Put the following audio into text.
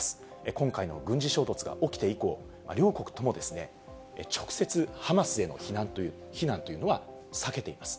今回の軍事衝突が起きて以降、両国とも直接ハマスへの非難というのは避けています。